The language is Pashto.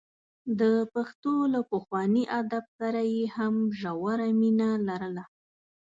د پښتو له پخواني ادب سره یې هم ژوره مینه لرله.